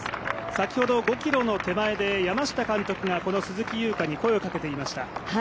先ほど５ｋｍの手前で山下監督が鈴木優花に声をかけていました。